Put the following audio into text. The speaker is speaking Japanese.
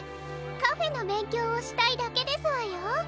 カフェのべんきょうをしたいだけですわよ。